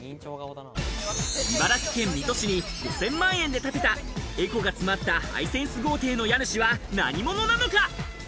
茨城県水戸市に５０００万円で建てたエコが詰まったハイセンス豪邸の家主は何者なのか？